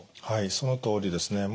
はいそのとおりですね。